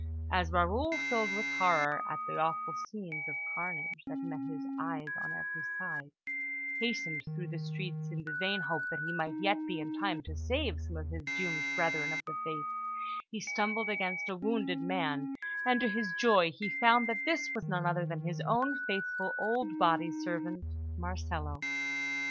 As Raoul, filled with horror at the awful scenes of carnage that met his eyes on every side, hastened through the streets in the vain hope that he might yet be in time to save some of his doomed brethren of the faith, he stumbled against a wounded man, and, to his joy, he found that this was none other than his own faithful old body servant, Marcello.